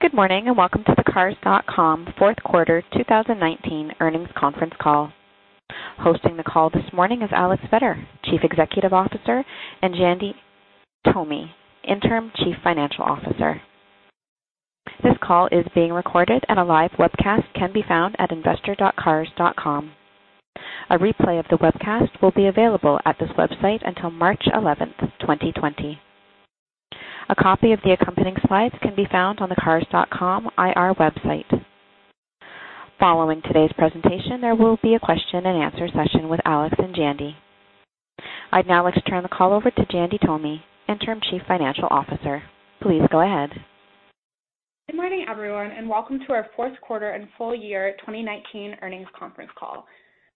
Good morning, welcome to the Cars.com fourth quarter 2019 earnings conference call. Hosting the call this morning is Alex Vetter, Chief Executive Officer, and Jandy Tomy, Interim Chief Financial Officer. This call is being recorded, and a live webcast can be found at investor.cars.com. A replay of the webcast will be available at this website until March 11th, 2020. A copy of the accompanying slides can be found on the Cars.com IR website. Following today's presentation, there will be a question and answer session with Alex and Jandy. I'd now like to turn the call over to Jandy Tomy, Interim Chief Financial Officer. Please go ahead. Good morning, everyone, and welcome to our fourth quarter and full year 2019 earnings conference call.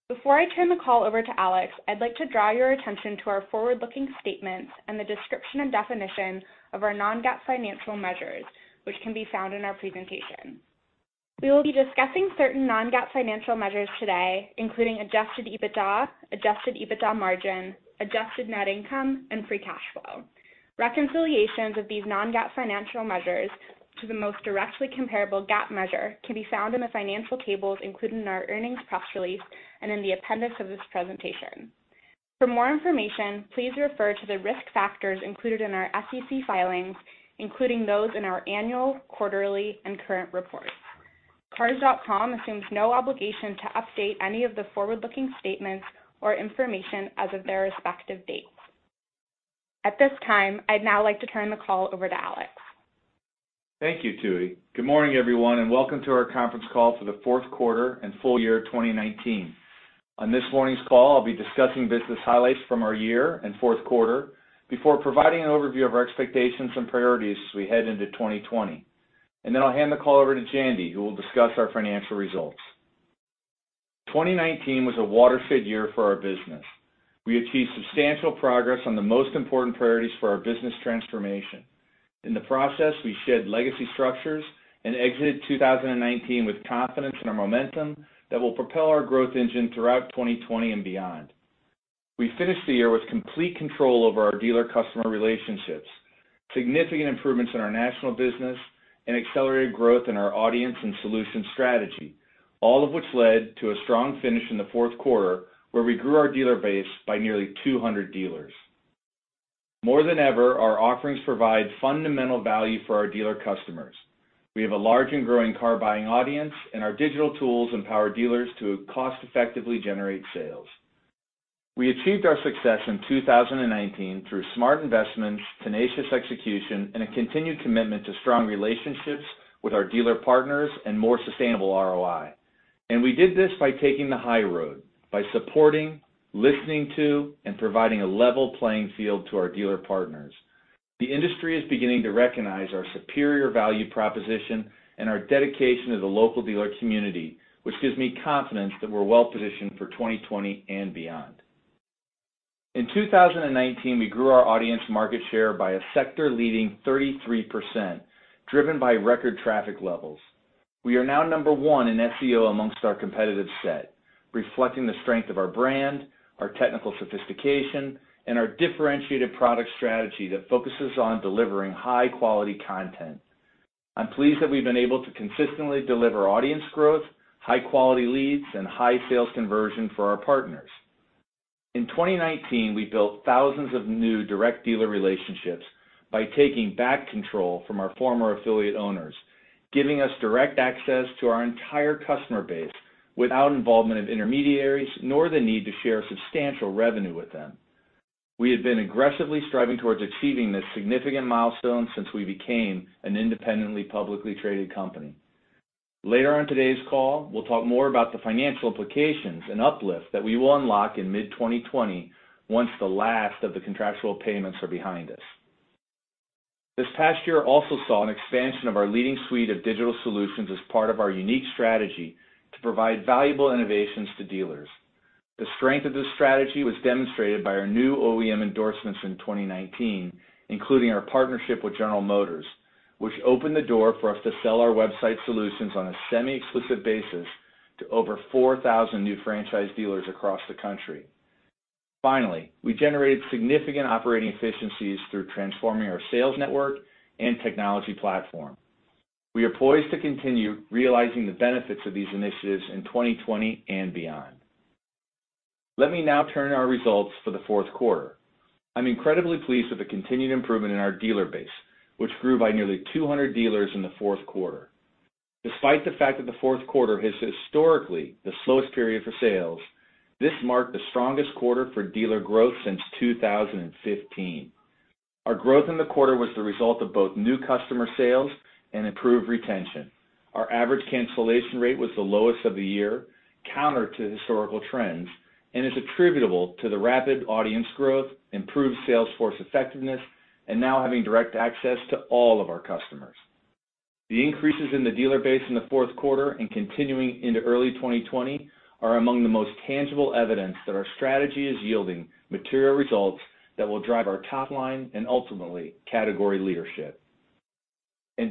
Before I turn the call over to Alex, I'd like to draw your attention to our forward-looking statements and the description and definition of our non-GAAP financial measures, which can be found in our presentation. We will be discussing certain non-GAAP financial measures today, including Adjusted EBITDA, Adjusted EBITDA margin, adjusted net income, and free cash flow. Reconciliations of these non-GAAP financial measures to the most directly comparable GAAP measure can be found in the financial tables included in our earnings press release and in the appendix of this presentation. For more information, please refer to the risk factors included in our SEC filings, including those in our annual, quarterly, and current reports. Cars.com assumes no obligation to update any of the forward-looking statements or information as of their respective dates. At this time, I'd now like to turn the call over to Alex. Thank you, Jandy. Good morning, everyone, and welcome to our conference call for the fourth quarter and full year 2019. On this morning's call, I'll be discussing business highlights from our year and fourth quarter before providing an overview of our expectations and priorities as we head into 2020. I'll hand the call over to Jandy, who will discuss our financial results. 2019 was a watershed year for our business. We achieved substantial progress on the most important priorities for our business transformation. In the process, we shed legacy structures and exited 2019 with confidence in our momentum that will propel our growth engine throughout 2020 and beyond. We finished the year with complete control over our dealer-customer relationships, significant improvements in our national business, and accelerated growth in our audience and solution strategy, all of which led to a strong finish in the fourth quarter, where we grew our dealer base by nearly 200 dealers. More than ever, our offerings provide fundamental value for our dealer customers. We have a large and growing car-buying audience, and our digital tools empower dealers to cost-effectively generate sales. We achieved our success in 2019 through smart investments, tenacious execution, and a continued commitment to strong relationships with our dealer partners and more sustainable ROI. We did this by taking the high road, by supporting, listening to, and providing a level playing field to our dealer partners. The industry is beginning to recognize our superior value proposition and our dedication to the local dealer community, which gives me confidence that we're well-positioned for 2020 and beyond. In 2019, we grew our audience market share by a sector-leading 33%, driven by record traffic levels. We are now number one in SEO amongst our competitive set, reflecting the strength of our brand, our technical sophistication, and our differentiated product strategy that focuses on delivering high-quality content. I'm pleased that we've been able to consistently deliver audience growth, high-quality leads, and high sales conversion for our partners. In 2019, we built thousands of new direct dealer relationships by taking back control from our former affiliate owners, giving us direct access to our entire customer base without involvement of intermediaries nor the need to share substantial revenue with them. We have been aggressively striving towards achieving this significant milestone since we became an independently publicly traded company. Later on in today's call, we'll talk more about the financial implications and uplift that we will unlock in mid-2020 once the last of the contractual payments are behind us. This past year also saw an expansion of our leading suite of digital solutions as part of our unique strategy to provide valuable innovations to dealers. The strength of this strategy was demonstrated by our new OEM endorsements in 2019, including our partnership with General Motors, which opened the door for us to sell our website solutions on a semi-exclusive basis to over 4,000 new franchise dealers across the country. Finally, we generated significant operating efficiencies through transforming our sales network and technology platform. We are poised to continue realizing the benefits of these initiatives in 2020 and beyond. Let me now turn to our results for the fourth quarter. I'm incredibly pleased with the continued improvement in our dealer base, which grew by nearly 200 dealers in the fourth quarter. Despite the fact that the fourth quarter is historically the slowest period for sales, this marked the strongest quarter for dealer growth since 2015. Our growth in the quarter was the result of both new customer sales and improved retention. Our average cancellation rate was the lowest of the year, counter to historical trends, and is attributable to the rapid audience growth, improved sales force effectiveness, and now having direct access to all of our customers. The increases in the dealer base in the fourth quarter and continuing into early 2020 are among the most tangible evidence that our strategy is yielding material results that will drive our top line and ultimately category leadership.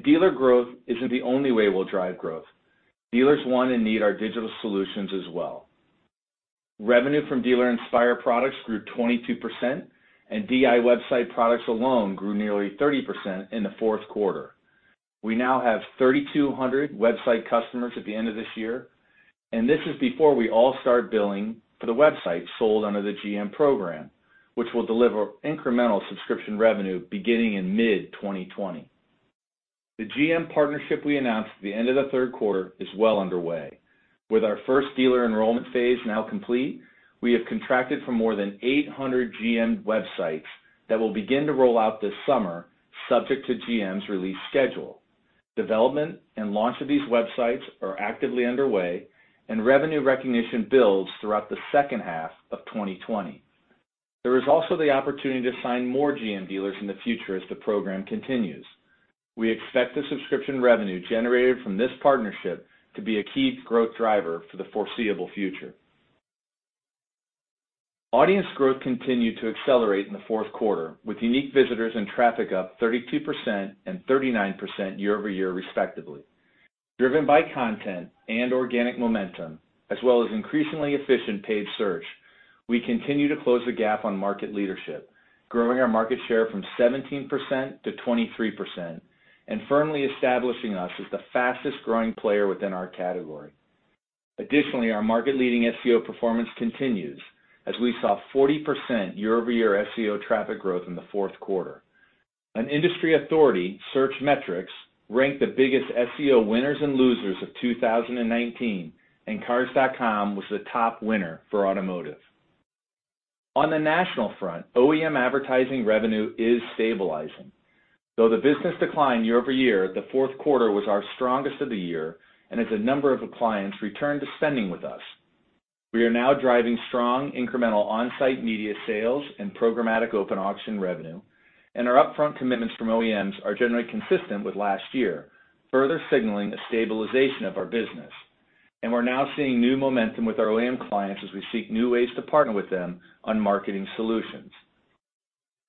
Dealer growth isn't the only way we'll drive growth. Dealers want and need our digital solutions as well. Revenue from Dealer Inspire products grew 22%, and DI website products alone grew nearly 30% in the fourth quarter. We now have 3,200 website customers at the end of this year, and this is before we all start billing for the website sold under the GM program, which will deliver incremental subscription revenue beginning in mid-2020. The GM partnership we announced at the end of the third quarter is well underway. With our first dealer enrollment phase now complete, we have contracted for more than 800 GM websites that will begin to roll out this summer subject to GM's release schedule. Development and launch of these websites are actively underway, and revenue recognition builds throughout the second half of 2020. There is also the opportunity to sign more GM dealers in the future as the program continues. We expect the subscription revenue generated from this partnership to be a key growth driver for the foreseeable future. Audience growth continued to accelerate in the fourth quarter, with unique visitors and traffic up 32% and 39% year-over-year, respectively. Driven by content and organic momentum, as well as increasingly efficient paid search, we continue to close the gap on market leadership, growing our market share from 17% to 23%, and firmly establishing us as the fastest-growing player within our category. Additionally, our market-leading SEO performance continues as we saw 40% year-over-year SEO traffic growth in the fourth quarter. An industry authority, Searchmetrics, ranked the biggest SEO winners and losers of 2019, and Cars.com was the top winner for automotive. On the national front, OEM advertising revenue is stabilizing. Though the business declined year-over-year, the fourth quarter was our strongest of the year as a number of clients returned to spending with us. We are now driving strong incremental on-site media sales and programmatic open auction revenue. Our upfront commitments from OEMs are generally consistent with last year, further signaling a stabilization of our business. We're now seeing new momentum with our OEM clients as we seek new ways to partner with them on marketing solutions.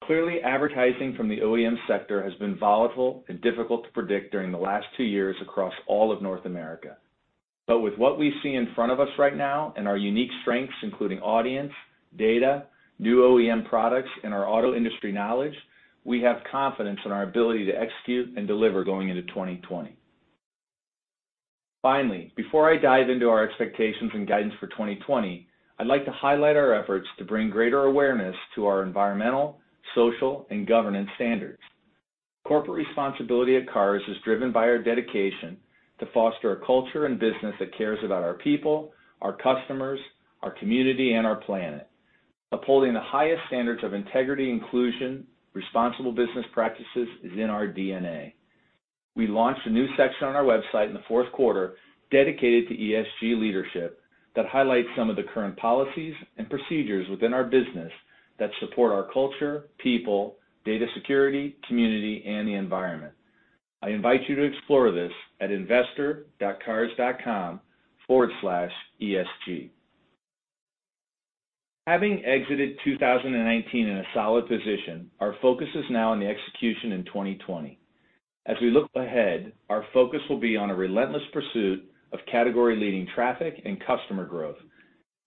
Clearly, advertising from the OEM sector has been volatile and difficult to predict during the last two years across all of North America. With what we see in front of us right now and our unique strengths, including audience, data, new OEM products, and our auto industry knowledge, we have confidence in our ability to execute and deliver going into 2020. Finally, before I dive into our expectations and guidance for 2020, I'd like to highlight our efforts to bring greater awareness to our environmental, social, and governance standards. Corporate responsibility at Cars is driven by our dedication to foster a culture and business that cares about our people, our customers, our community, and our planet. Upholding the highest standards of integrity, inclusion, responsible business practices is in our DNA. We launched a new section on our website in the fourth quarter dedicated to ESG leadership that highlights some of the current policies and procedures within our business that support our culture, people, data security, community, and the environment. I invite you to explore this at investor.cars.com/esg. Having exited 2019 in a solid position, our focus is now on the execution in 2020. As we look ahead, our focus will be on a relentless pursuit of category-leading traffic and customer growth,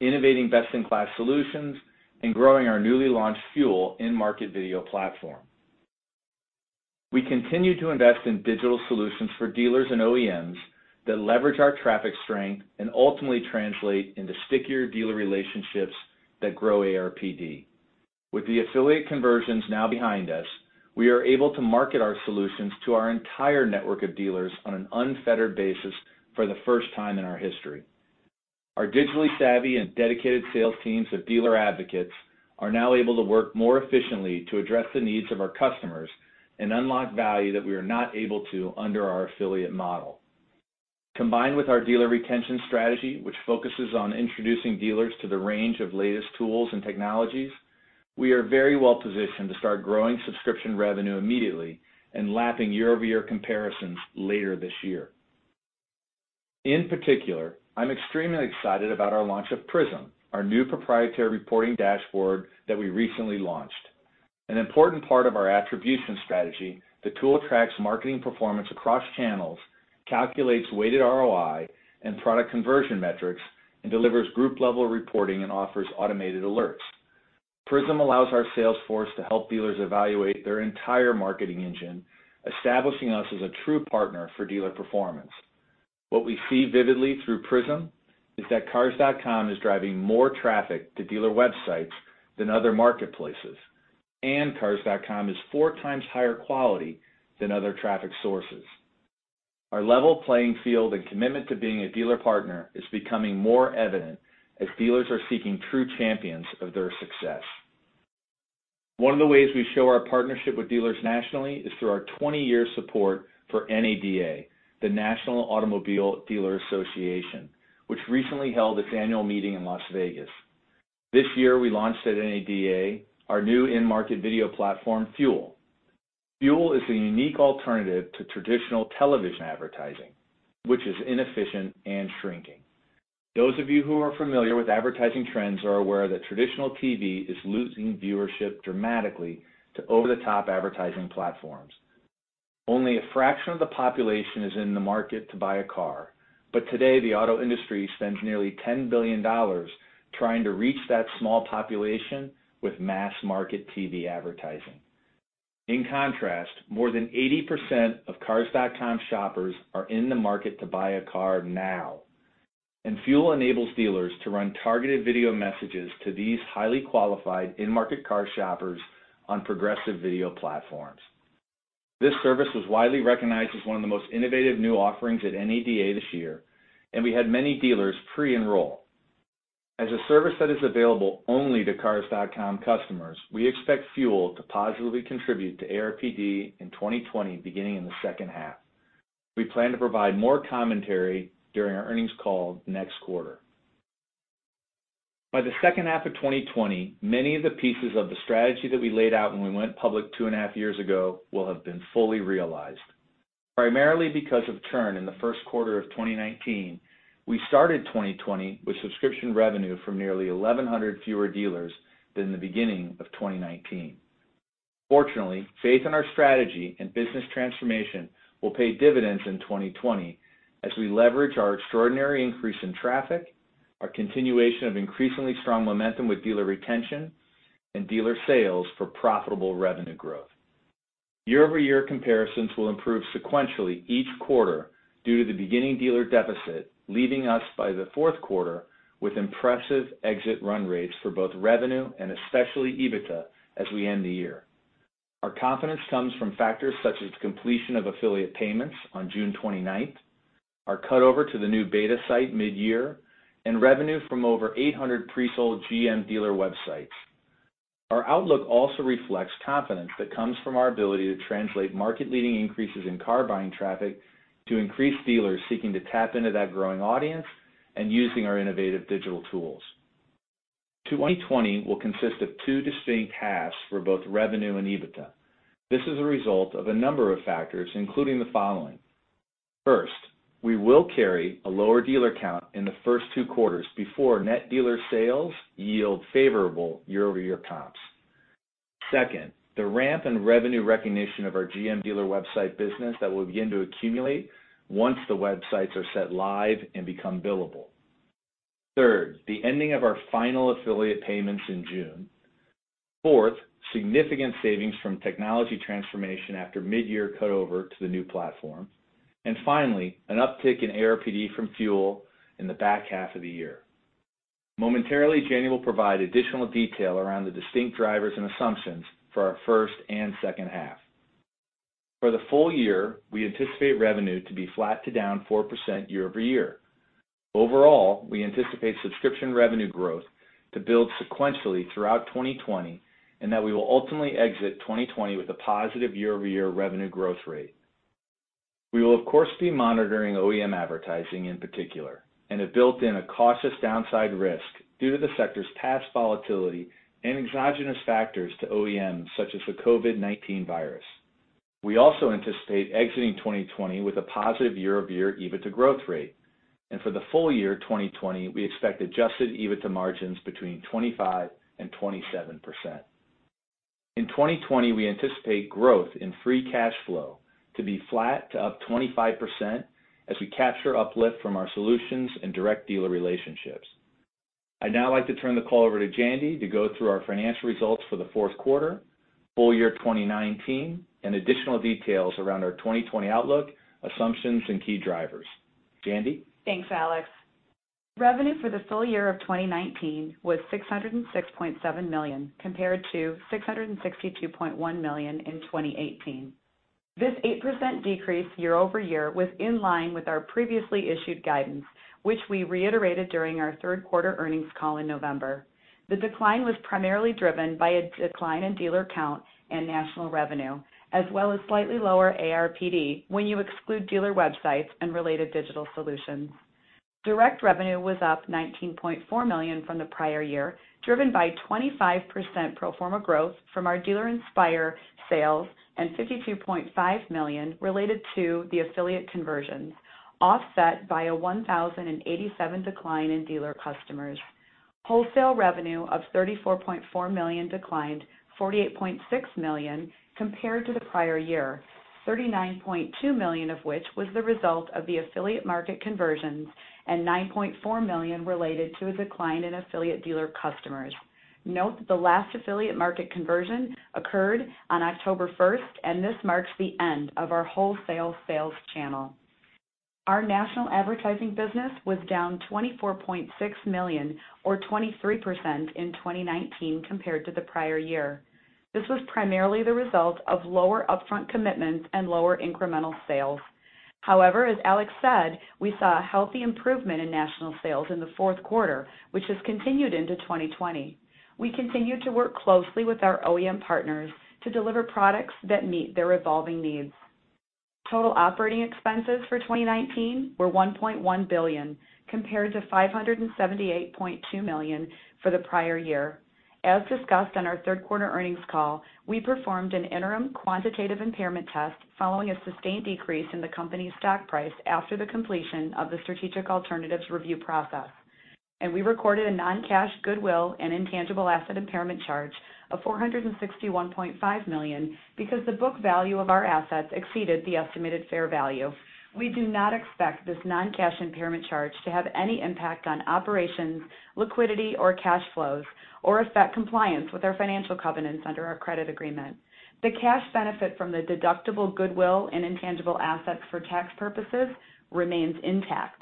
innovating best-in-class solutions, and growing our newly launched FUEL in-market video platform. We continue to invest in digital solutions for dealers and OEMs that leverage our traffic strength and ultimately translate into stickier dealer relationships that grow ARPD. With the affiliate conversions now behind us, we are able to market our solutions to our entire network of dealers on an unfettered basis for the first time in our history. Our digitally savvy and dedicated sales teams of dealer advocates are now able to work more efficiently to address the needs of our customers and unlock value that we are not able to under our affiliate model. Combined with our dealer retention strategy, which focuses on introducing dealers to the range of latest tools and technologies, we are very well positioned to start growing subscription revenue immediately and lapping year-over-year comparisons later this year. In particular, I'm extremely excited about our launch of PRIZM, our new proprietary reporting dashboard that we recently launched. An important part of our attribution strategy, the tool tracks marketing performance across channels, calculates weighted ROI and product conversion metrics, and delivers group-level reporting and offers automated alerts. PRIZM allows our sales force to help dealers evaluate their entire marketing engine, establishing us as a true partner for dealer performance. What we see vividly through PRIZM is that Cars.com is driving more traffic to dealer websites than other marketplaces, and Cars.com is 4x higher quality than other traffic sources. Our level playing field and commitment to being a dealer partner is becoming more evident as dealers are seeking true champions of their success. One of the ways we show our partnership with dealers nationally is through our 20-year support for NADA, the National Automobile Dealers Association, which recently held its annual meeting in Las Vegas. This year, we launched at NADA our new in-market video platform, FUEL. FUEL is a unique alternative to traditional television advertising, which is inefficient and shrinking. Those of you who are familiar with advertising trends are aware that traditional TV is losing viewership dramatically to over-the-top advertising platforms. Only a fraction of the population is in the market to buy a car. Today, the auto industry spends nearly $10 billion trying to reach that small population with mass market TV advertising. In contrast, more than 80% of Cars.com shoppers are in the market to buy a car now, and FUEL enables dealers to run targeted video messages to these highly qualified in-market car shoppers on progressive video platforms. This service was widely recognized as one of the most innovative new offerings at NADA this year, and we had many dealers pre-enroll. As a service that is available only to Cars.com customers, we expect FUEL to positively contribute to ARPD in 2020, beginning in the second half. We plan to provide more commentary during our earnings call next quarter. By the second half of 2020, many of the pieces of the strategy that we laid out when we went public 2.5 Years ago will have been fully realized. Primarily because of churn in the first quarter of 2019, we started 2020 with subscription revenue from nearly 1,100 fewer dealers than the beginning of 2019. Fortunately, faith in our strategy and business transformation will pay dividends in 2020 as we leverage our extraordinary increase in traffic, our continuation of increasingly strong momentum with dealer retention, and dealer sales for profitable revenue growth. Year-over-year comparisons will improve sequentially each quarter due to the beginning dealer deficit, leaving us by the fourth quarter with impressive exit run rates for both revenue and especially EBITDA as we end the year. Our confidence comes from factors such as completion of affiliate payments on June 29th, 2020 our cutover to the new beta site mid-year, and revenue from over 800 pre-sold GM dealer websites. Our outlook also reflects confidence that comes from our ability to translate market-leading increases in car buying traffic to increase dealers seeking to tap into that growing audience and using our innovative digital tools. 2020 will consist of two distinct halves for both revenue and EBITDA. This is a result of a number of factors, including the following. First, we will carry a lower dealer count in the first two quarters before net dealer sales yield favorable year-over-year comps. Second, the ramp and revenue recognition of our GM dealer website business that will begin to accumulate once the websites are set live and become billable. Third, the ending of our final affiliate payments in June. Fourth, significant savings from technology transformation after mid-year cutover to the new platform. Finally, an uptick in ARPD from FUEL in the back half of the year. Momentarily, Jandy will provide additional detail around the distinct drivers and assumptions for our first and second half. For the full year, we anticipate revenue to be flat to down 4% year-over-year. Overall, we anticipate subscription revenue growth to build sequentially throughout 2020 and that we will ultimately exit 2020 with a positive year-over-year revenue growth rate. We will, of course, be monitoring OEM advertising in particular, and have built in a cautious downside risk due to the sector's past volatility and exogenous factors to OEMs such as the COVID-19 virus. We also anticipate exiting 2020 with a positive year-over-year EBITDA growth rate. For the full year 2020, we expect Adjusted EBITDA margins between 25%-27%. In 2020, we anticipate growth in free cash flow to be flat to up 25% as we capture uplift from our solutions and direct dealer relationships. I'd now like to turn the call over to Jandy to go through our financial results for the fourth quarter, full year 2019, and additional details around our 2020 outlook, assumptions, and key drivers. Jandy? Thanks, Alex. Revenue for the full year of 2019 was $606.7 million, compared to $662.1 million in 2018. This 8% decrease year-over-year was in line with our previously issued guidance, which we reiterated during our third quarter earnings call in November. The decline was primarily driven by a decline in dealer count and national revenue, as well as slightly lower ARPD when you exclude dealer websites and related digital solutions. Direct revenue was up $19.4 million from the prior year, driven by 25% pro forma growth from our Dealer Inspire sales and $52.5 million related to the affiliate conversions, offset by a 1,087 decline in dealer customers. Wholesale revenue of $34.4 million declined $48.6 million compared to the prior year, $39.2 million of which was the result of the affiliate market conversions and $9.4 million related to a decline in affiliate dealer customers. Note that the last affiliate market conversion occurred on October 1st, and this marks the end of our wholesale sales channel. Our national advertising business was down $24.6 million or 23% in 2019 compared to the prior year. This was primarily the result of lower upfront commitments and lower incremental sales. However, as Alex said, we saw a healthy improvement in national sales in the fourth quarter, which has continued into 2020. We continue to work closely with our OEM partners to deliver products that meet their evolving needs. Total operating expenses for 2019 were $1.1 billion, compared to $578.2 million for the prior year. As discussed on our third quarter earnings call, we performed an interim quantitative impairment test following a sustained decrease in the company's stock price after the completion of the strategic alternatives review process, and we recorded a non-cash goodwill and intangible asset impairment charge of $461.5 million because the book value of our assets exceeded the estimated fair value. We do not expect this non-cash impairment charge to have any impact on operations, liquidity, or cash flows, or affect compliance with our financial covenants under our credit agreement. The cash benefit from the deductible goodwill and intangible assets for tax purposes remains intact.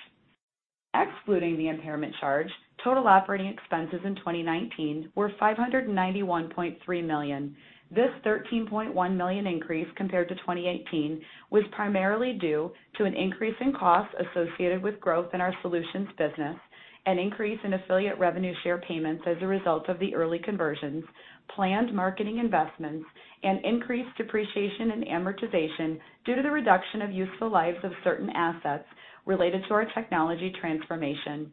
Excluding the impairment charge, total operating expenses in 2019 were $591.3 million. This $13.1 million increase compared to 2018 was primarily due to an increase in costs associated with growth in our solutions business, an increase in affiliate revenue share payments as a result of the early conversions, planned marketing investments, and increased depreciation and amortization due to the reduction of useful lives of certain assets related to our technology transformation.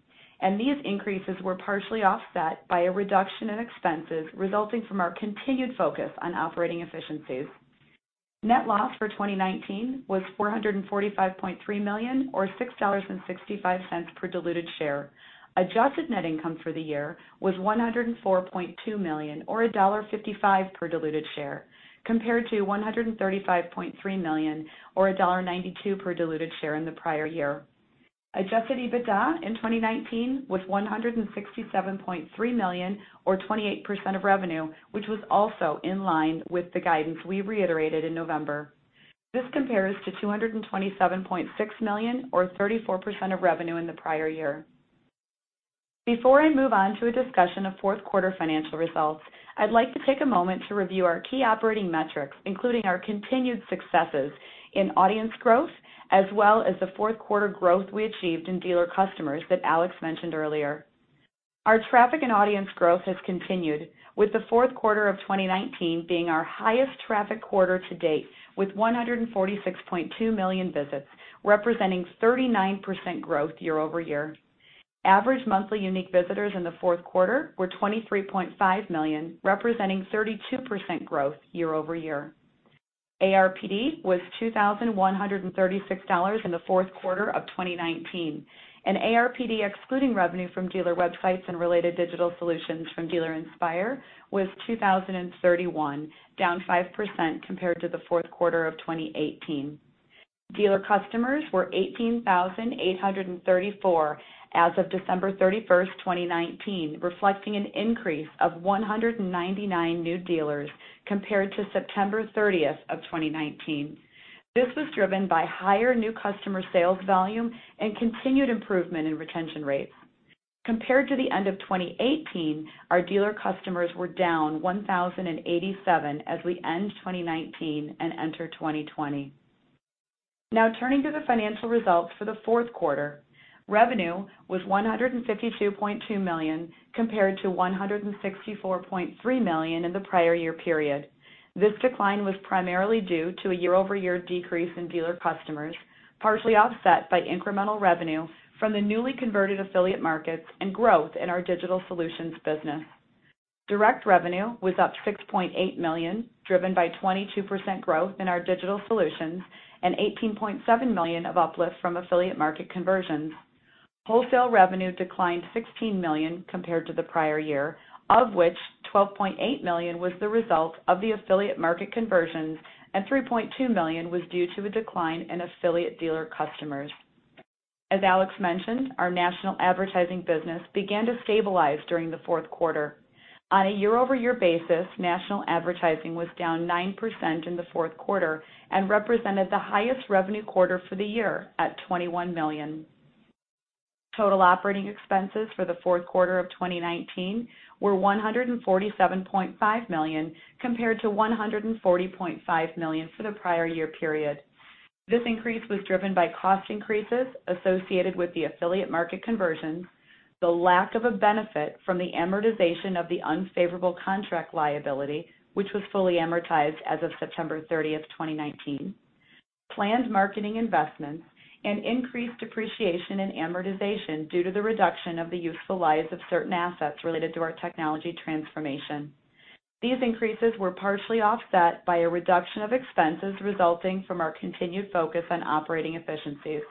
These increases were partially offset by a reduction in expenses resulting from our continued focus on operating efficiencies. Net loss for 2019 was $445.3 million, or $6.65 per diluted share. adjusted net income for the year was $104.2 million or $1.55 per diluted share, compared to $135.3 million or $1.92 per diluted share in the prior year. Adjusted EBITDA in 2019 was $167.3 million or 28% of revenue, which was also in line with the guidance we reiterated in November. This compares to $227.6 million or 34% of revenue in the prior year. Before I move on to a discussion of fourth quarter financial results, I'd like to take a moment to review our key operating metrics, including our continued successes in audience growth, as well as the fourth quarter growth we achieved in dealer customers that Alex mentioned earlier. Our traffic and audience growth has continued, with the fourth quarter of 2019 being our highest traffic quarter to date with 146.2 million visits, representing 39% growth year-over-year. Average monthly unique visitors in the fourth quarter were 23.5 million, representing 32% growth year-over-year. ARPD was $2,136 in the fourth quarter of 2019, and ARPD excluding revenue from dealer websites and related digital solutions from Dealer Inspire was $2,031, down 5% compared to the fourth quarter of 2018. Dealer customers were 18,834 as of December 31st, 2019, reflecting an increase of 199 new dealers compared to September 30th,2019. This was driven by higher new customer sales volume and continued improvement in retention rates. Compared to the end of 2018, our dealer customers were down 1,087 as we end 2019 and enter 2020. Now turning to the financial results for the fourth quarter. Revenue was $152.2 million, compared to $164.3 million in the prior year period. This decline was primarily due to a year-over-year decrease in dealer customers, partially offset by incremental revenue from the newly converted affiliate markets and growth in our digital solutions business. Direct revenue was up $6.8 million, driven by 22% growth in our digital solutions and $18.7 million of uplift from affiliate market conversions. Wholesale revenue declined $16 million compared to the prior year, of which $12.8 million was the result of the affiliate market conversions and $3.2 million was due to a decline in affiliate dealer customers. As Alex mentioned, our national advertising business began to stabilize during the fourth quarter. On a year-over-year basis, national advertising was down 9% in the fourth quarter and represented the highest revenue quarter for the year at $21 million. Total operating expenses for the fourth quarter of 2019 were $147.5 million, compared to $140.5 million for the prior year period. This increase was driven by cost increases associated with the affiliate market conversions, the lack of a benefit from the amortization of the unfavorable contract liability, which was fully amortized as of September 30th, 2019, planned marketing investments, and increased depreciation and amortization due to the reduction of the useful lives of certain assets related to our technology transformation. These increases were partially offset by a reduction of expenses resulting from our continued focus on operating efficiencies.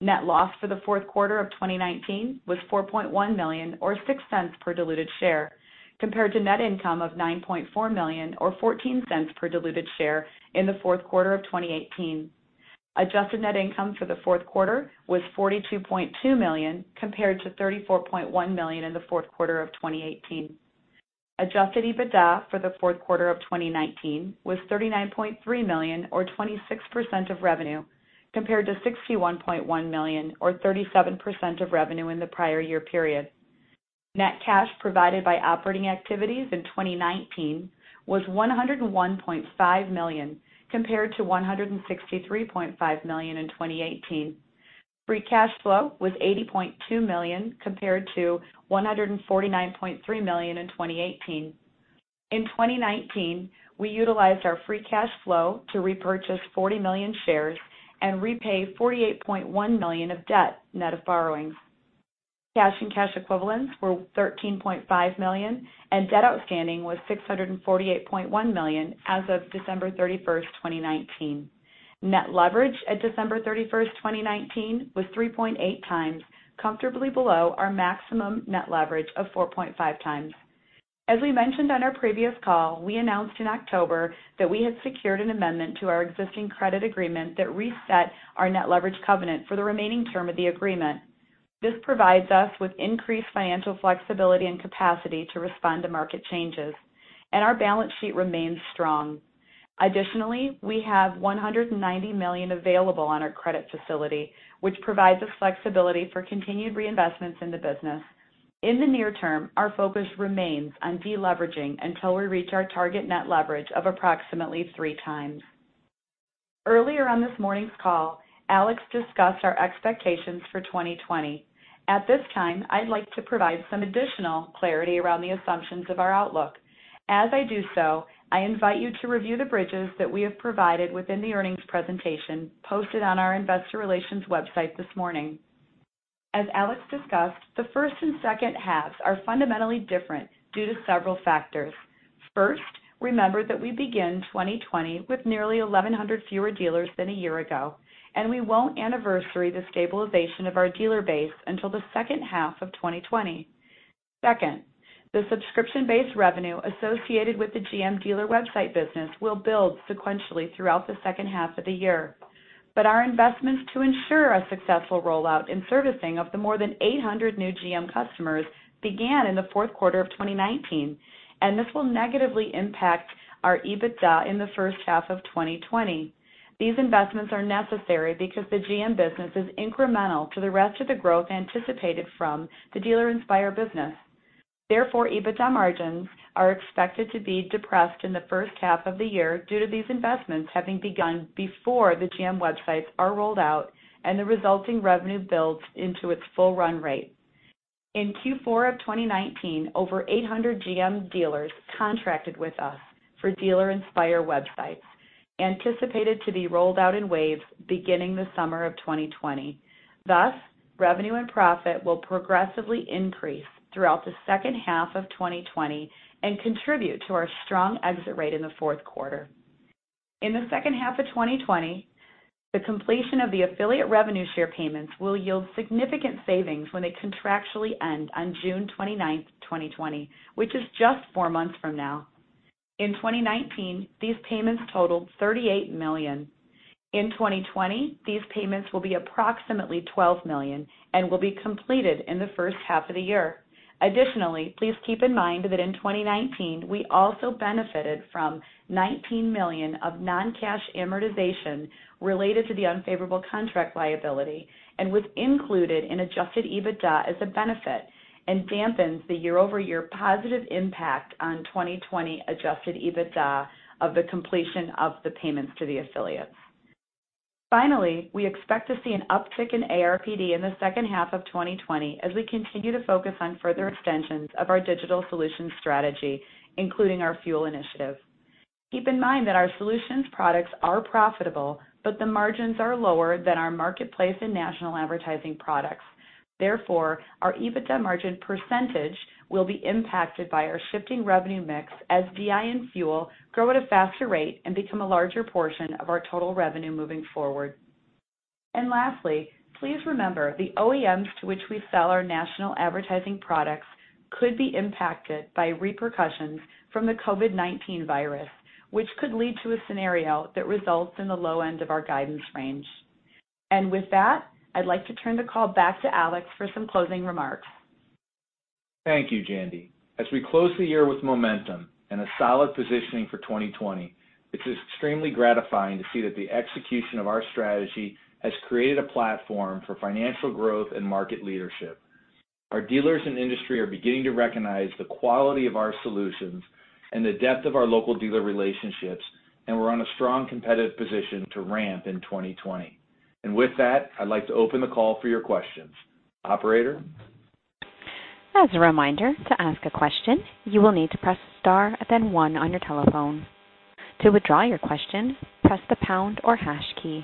Net loss for the fourth quarter of 2019 was $4.1 million or $0.06 per diluted share, compared to net income of $9.4 million or $0.14 per diluted share in the fourth quarter of 2018. Adjusted net income for the fourth quarter was $42.2 million, compared to $34.1 million in the fourth quarter of 2018. Adjusted EBITDA for the fourth quarter of 2019 was $39.3 million or 26% of revenue, compared to $61.1 million or 37% of revenue in the prior year period. Net cash provided by operating activities in 2019 was $101.5 million, compared to $163.5 million in 2018. Free cash flow was $80.2 million, compared to $149.3 million in 2018. In 2019, we utilized our free cash flow to repurchase 40 million shares and repay $48.1 million of debt net of borrowings. Cash and cash equivalents were $13.5 million, and debt outstanding was $648.1 million as of December 31st, 2019. Net leverage at December 31st, 2019, was 3.8x, comfortably below our maximum net leverage of 4.5x. As we mentioned on our previous call, we announced in October that we had secured an amendment to our existing credit agreement that reset our net leverage covenant for the remaining term of the agreement. This provides us with increased financial flexibility and capacity to respond to market changes, and our balance sheet remains strong. Additionally, we have $190 million available on our credit facility, which provides us flexibility for continued reinvestments in the business. In the near term, our focus remains on de-leveraging until we reach our target net leverage of approximately 3x. Earlier on this morning's call, Alex discussed our expectations for 2020. At this time, I'd like to provide some additional clarity around the assumptions of our outlook. As I do so, I invite you to review the bridges that we have provided within the earnings presentation posted on our investor relations website this morning. As Alex discussed, the first and second halves are fundamentally different due to several factors. First, remember that we begin 2020 with nearly 1,100 fewer dealers than a year ago, and we won't anniversary the stabilization of our dealer base until the second half of 2020. Second, the subscription-based revenue associated with the GM dealer website business will build sequentially throughout the second half of the year. Our investments to ensure a successful rollout and servicing of the more than 800 new GM customers began in the fourth quarter of 2019, and this will negatively impact our EBITDA in the first half of 2020. These investments are necessary because the GM business is incremental to the rest of the growth anticipated from the Dealer Inspire business. EBITDA margins are expected to be depressed in the first half of the year due to these investments having begun before the GM websites are rolled out and the resulting revenue builds into its full run rate. In Q4 of 2019, over 800 GM dealers contracted with us for Dealer Inspire websites, anticipated to be rolled out in waves beginning the summer of 2020. Revenue and profit will progressively increase throughout the second half of 2020 and contribute to our strong exit rate in the fourth quarter. In the second half of 2020, the completion of the affiliate revenue share payments will yield significant savings when they contractually end on June 29th, 2020, which is just four months from now. In 2019, these payments totaled $38 million. In 2020, these payments will be approximately $12 million and will be completed in the first half of the year. Additionally, please keep in mind that in 2019, we also benefited from $19 million of non-cash amortization related to the unfavorable contract liability and was included in Adjusted EBITDA as a benefit and dampens the year-over-year positive impact on 2020 Adjusted EBITDA of the completion of the payments to the affiliates. Finally, we expect to see an uptick in ARPD in the second half of 2020 as we continue to focus on further extensions of our digital solutions strategy, including our FUEL initiative. Keep in mind that our solutions products are profitable, but the margins are lower than our marketplace and national advertising products. Therefore, our EBITDA margin percentage will be impacted by our shifting revenue mix as DI and FUEL grow at a faster rate and become a larger portion of our total revenue moving forward. Lastly, please remember, the OEMs to which we sell our national advertising products could be impacted by repercussions from the COVID-19 virus, which could lead to a scenario that results in the low end of our guidance range. With that, I'd like to turn the call back to Alex for some closing remarks. Thank you, Jandy. As we close the year with momentum and a solid positioning for 2020, it's extremely gratifying to see that the execution of our strategy has created a platform for financial growth and market leadership. Our dealers and industry are beginning to recognize the quality of our solutions and the depth of our local dealer relationships. We're on a strong competitive position to ramp in 2020. With that, I'd like to open the call for your questions. Operator? As a reminder, to ask a question, you will need to press star and then one on your telephone. To withdraw your question, press the pound or hash key.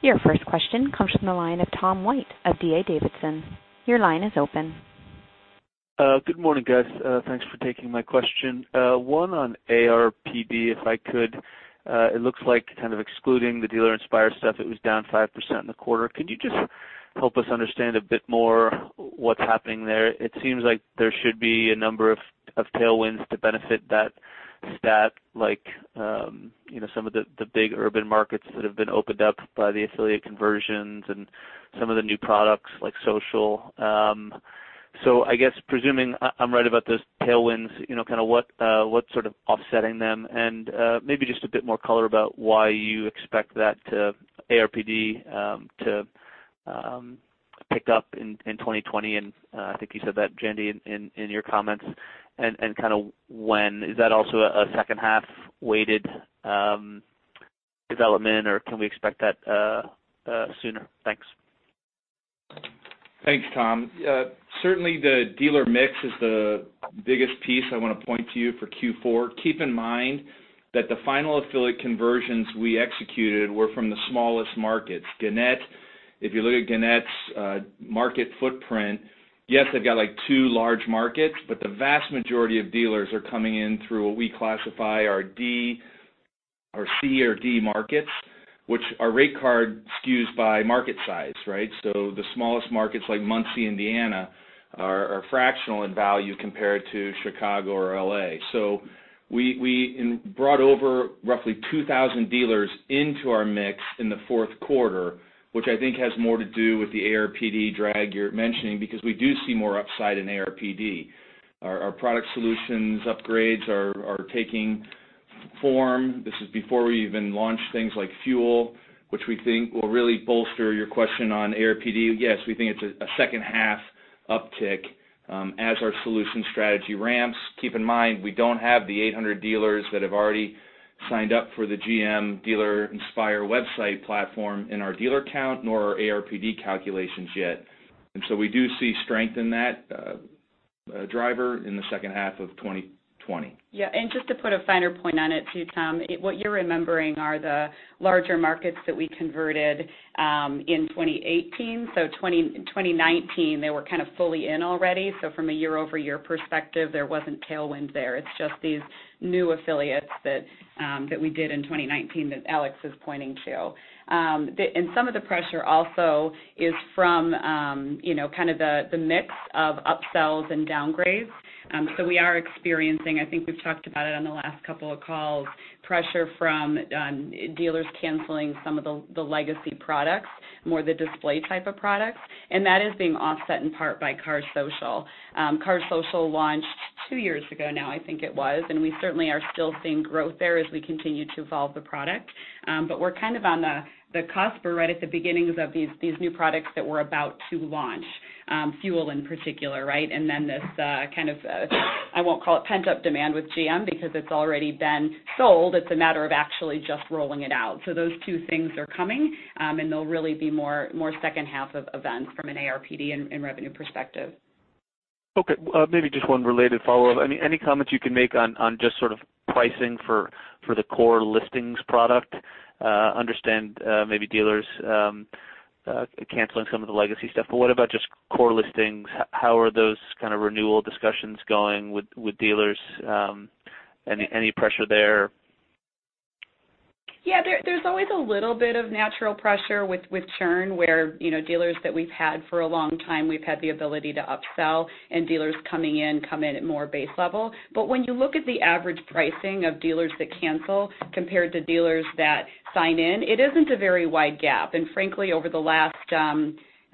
Your first question comes from the line of Tom White of D.A. Davidson. Your line is open. Good morning, guys. Thanks for taking my question. One on ARPD, if I could. It looks like kind of excluding the Dealer Inspire stuff, it was down 5% in the quarter. Could you just help us understand a bit more what's happening there? It seems like there should be a number of tailwinds to benefit that stat, like some of the big urban markets that have been opened up by the affiliate conversions and some of the new products like social. I guess presuming I'm right about those tailwinds, what sort of offsetting them and maybe just a bit more color about why you expect that ARPD to pick up in 2020, and I think you said that, Jandy, in your comments, and kind of when? Is that also a second half-weighted development, or can we expect that sooner? Thanks. Thanks, Tom. Certainly, the dealer mix is the biggest piece I want to point to you for Q4. Keep in mind that the final affiliate conversions we executed were from the smallest markets. If you look at Gannett's market footprint, yes, they've got 2 large markets, but the vast majority of dealers are coming in through what we classify our C or D markets, which are rate card skews by market size. The smallest markets like Muncie, Indiana, are fractional in value compared to Chicago or L.A. We brought over roughly 2,000 dealers into our mix in the fourth quarter, which I think has more to do with the ARPD drag you're mentioning because we do see more upside in ARPD. Our product solutions upgrades are taking form. This is before we even launch things like FUEL, which we think will really bolster your question on ARPD. Yes, we think it's a second half uptick as our solution strategy ramps. Keep in mind, we don't have the 800 dealers that have already signed up for the GM Dealer Inspire website platform in our dealer count nor our ARPD calculations yet. We do see strength in that driver in the second half of 2020. Yeah. Just to put a finer point on it too, Tom, what you're remembering are the larger markets that we converted in 2018. 2019, they were kind of fully in already. From a year-over-year perspective, there wasn't tailwind there. It's just these new affiliates that we did in 2019 that Alex is pointing to. Some of the pressure also is from the mix of upsells and downgrades. We are experiencing, I think we've talked about it on the last couple of calls, pressure from dealers canceling some of the legacy products, more the display type of products. That is being offset in part by Cars Social. Cars Social launched two years ago now, I think it was, and we certainly are still seeing growth there as we continue to evolve the product. We're on the cusp. We're right at the beginnings of these new products that we're about to launch, FUEL in particular. This kind of, I won't call it pent-up demand with GM because it's already been sold. It's a matter of actually just rolling it out. Those two things are coming, and they'll really be more second half of events from an ARPD and revenue perspective. Okay. Maybe just one related follow-up. Any comments you can make on just sort of pricing for the core listings product? Understand maybe dealers canceling some of the legacy stuff. What about just core listings? How are those kind of renewal discussions going with dealers? Any pressure there? Yeah, there's always a little bit of natural pressure with churn where dealers that we've had for a long time, we've had the ability to upsell and dealers coming in come in at more base level. When you look at the average pricing of dealers that cancel compared to dealers that sign in, it isn't a very wide gap. Frankly, over the last, I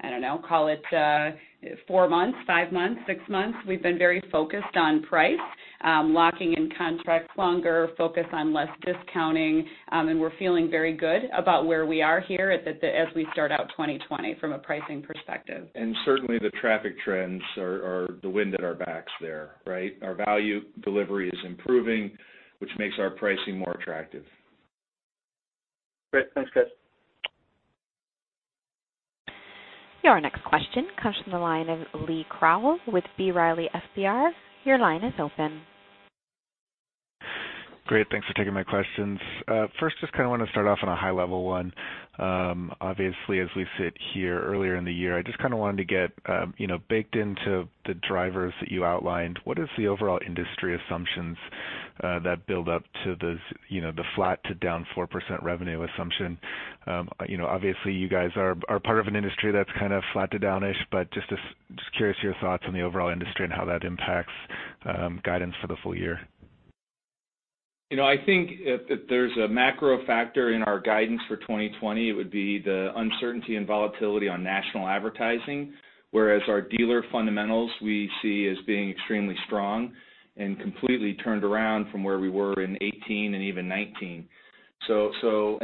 don't know, call it four months, five months, six months, we've been very focused on price, locking in contracts longer, focus on less discounting. We're feeling very good about where we are here as we start out 2020 from a pricing perspective. Certainly, the traffic trends are the wind at our backs there. Our value delivery is improving, which makes our pricing more attractive. Great. Thanks, guys. Your next question comes from the line of Lee Krowl with B. Riley FBR. Your line is open. Great. Thanks for taking my questions. First, just want to start off on a high level one. Obviously, as we sit here earlier in the year, I just wanted to get baked into the drivers that you outlined. What is the overall industry assumptions that build up to the flat to down 4% revenue assumption? Obviously, you guys are part of an industry that's kind of flat to down-ish, but just curious your thoughts on the overall industry and how that impacts guidance for the full year. I think if there's a macro factor in our guidance for 2020, it would be the uncertainty and volatility on national advertising, whereas our dealer fundamentals we see as being extremely strong and completely turned around from where we were in 2018 and even 2019.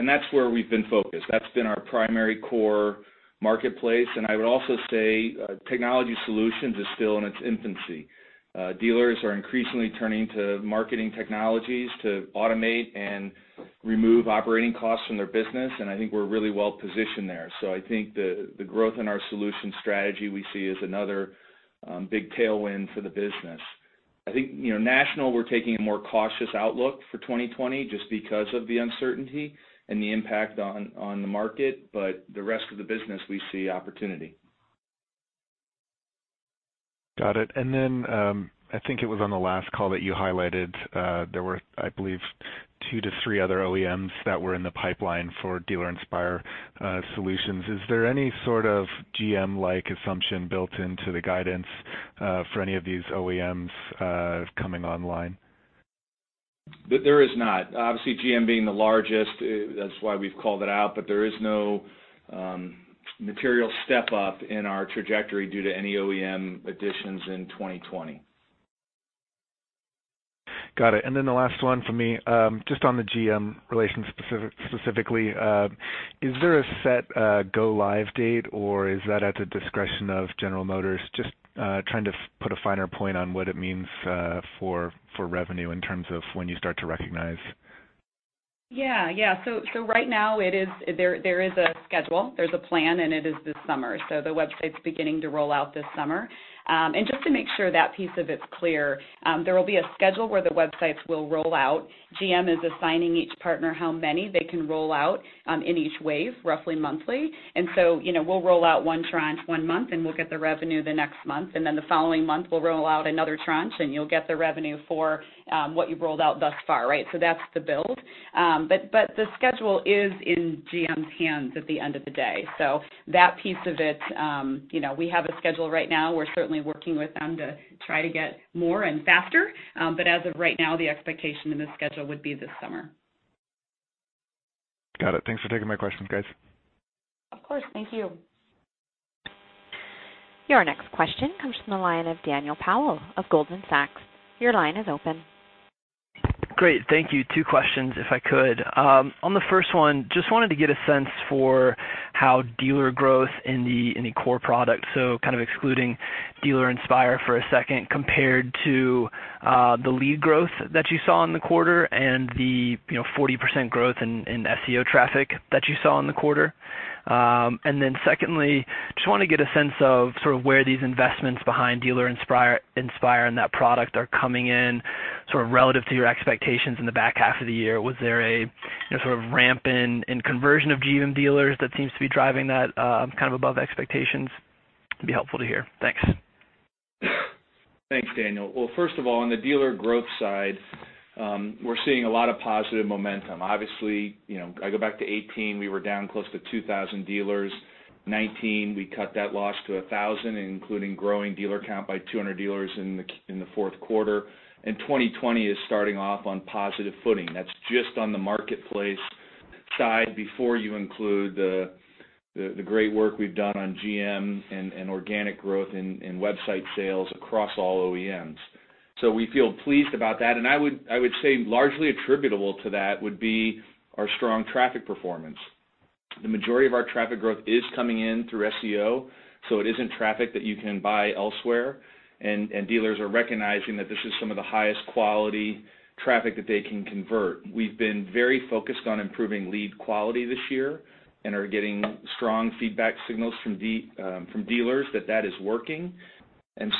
That's where we've been focused. That's been our primary core marketplace. I would also say technology solutions is still in its infancy. Dealers are increasingly turning to marketing technologies to automate and remove operating costs from their business, and I think we're really well-positioned there. I think the growth in our solution strategy we see is another big tailwind for the business. I think national, we're taking a more cautious outlook for 2020 just because of the uncertainty and the impact on the market. The rest of the business, we see opportunity. Got it. I think it was on the last call that you highlighted there were, I believe, two to three other OEMs that were in the pipeline for Dealer Inspire solutions. Is there any sort of GM-like assumption built into the guidance for any of these OEMs coming online? There is not. Obviously, GM being the largest, that's why we've called it out. There is no material step up in our trajectory due to any OEM additions in 2020. Got it. The last one for me, just on the GM relation specifically. Is there a set go-live date, or is that at the discretion of General Motors? Just trying to put a finer point on what it means for revenue in terms of when you start to recognize. Yeah. Right now, there is a schedule. There's a plan. It is this summer. The website's beginning to roll out this summer. Just to make sure that piece of it's clear, there will be a schedule where the websites will roll out. GM is assigning each partner how many they can roll out in each wave, roughly monthly. We'll roll out one tranche one month, and we'll get the revenue the next month. The following month, we'll roll out another tranche, and you'll get the revenue for what you've rolled out thus far, right? That's the build. The schedule is in GM's hands at the end of the day. That piece of it, we have a schedule right now. We're certainly working with them to try to get more and faster. As of right now, the expectation in the schedule would be this summer. Got it. Thanks for taking my questions, guys. Of course. Thank you. Your next question comes from the line of Daniel Powell of Goldman Sachs. Your line is open. Great. Thank you. Two questions, if I could. On the first one, just wanted to get a sense for how dealer growth in the core product, so kind of excluding Dealer Inspire for a second, compared to the lead growth that you saw in the quarter and the 40% growth in SEO traffic that you saw in the quarter. Secondly, just want to get a sense of sort of where these investments behind Dealer Inspire and that product are coming in, sort of relative to your expectations in the back half of the year. Was there a sort of ramp in conversion of GM dealers that seems to be driving that kind of above expectations? It'd be helpful to hear. Thanks. Thanks, Daniel. Well, first of all, on the dealer growth side, we're seeing a lot of positive momentum. Obviously, I go back to 2018, we were down close to 2,000 dealers. 2019, we cut that loss to 1,000, including growing dealer count by 200 dealers in the fourth quarter. 2020 is starting off on positive footing. That's just on the marketplace side before you include the great work we've done on GM and organic growth in website sales across all OEMs. We feel pleased about that, and I would say largely attributable to that would be our strong traffic performance. The majority of our traffic growth is coming in through SEO, so it isn't traffic that you can buy elsewhere. Dealers are recognizing that this is some of the highest quality traffic that they can convert. We've been very focused on improving lead quality this year and are getting strong feedback signals from dealers that that is working.